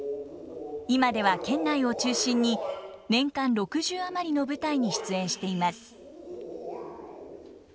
今では県内を中心に年間６０余りの舞台に出演しています。